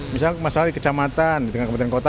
misalnya masalah di kecamatan di tingkat kabupaten kota